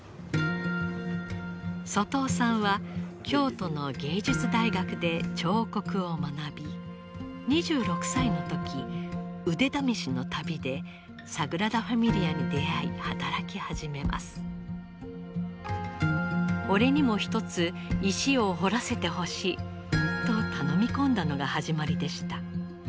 外尾さんは京都の芸術大学で彫刻を学び２６歳の時腕試しの旅でサグラダ・ファミリアに出会い働き始めます。と頼み込んだのが始まりでした。